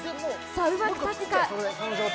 うまく立つか。